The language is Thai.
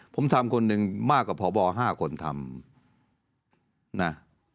ผมทำคนหนึ่งมากกว่าพบ๕คนทำนะ